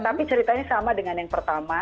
tapi ceritanya sama dengan yang pertama